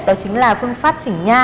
đó chính là phương pháp chỉnh nha